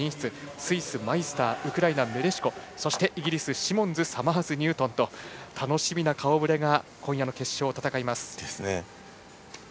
スイス、マイスターウクライナ、メレシコそしてイギリス、シモンズサマーズニュートンと楽しみな顔ぶれが今夜の決勝を戦います。